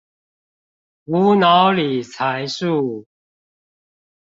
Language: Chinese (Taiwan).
無腦理財術